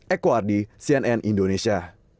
eko ardi cnn indonesia